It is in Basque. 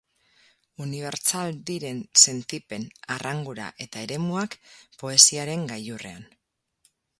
Unibertsal diren sentipen, arrangura eta eremuak, poesiaren gailurrean.